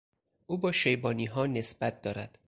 او با شیبانیها نسبت دارد.